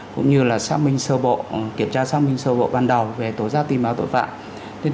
cũng như kiểm tra xác minh sơ bộ ban đầu về tố giác tin báo tội phạm